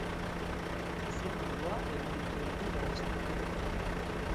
Bizimodua ehuneko hiru garestitu da.